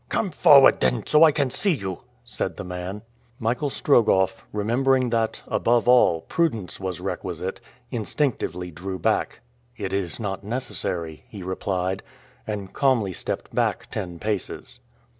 "Come forward, then, so I can see you," said the man. Michael Strogoff, remembering that, above all, prudence was requisite, instinctively drew back. "It is not necessary," he replied, and calmly stepped back ten paces.